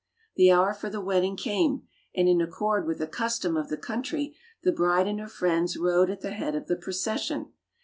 The hour for the wedding came, and, in accord with the custom of the country, the bride and her friends rode at the head of the procession.